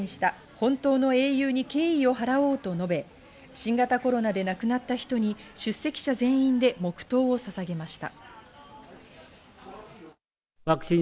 本当の英雄に敬意を払おうと述べ、新型コロナで亡くなった人に出席者全員で黙とうをささげました。